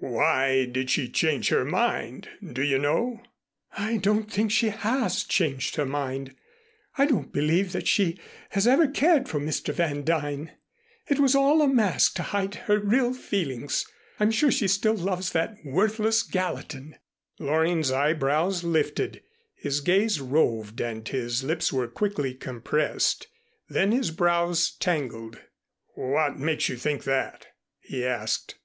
"Why did she change her mind? Do you know?" "I don't think she has changed her mind. I don't believe that she has ever cared for Mr. Van Duyn. It was all a mask to hide her real feelings. I'm sure she still loves that worthless Gallatin!" Loring's eyebrows lifted, his gaze roved and his lips were quickly compressed. Then his brows tangled. "What makes you think that?" he asked.